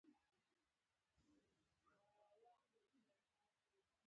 علي د کلي په لانجه کې د احمد ملا تړ وکړ.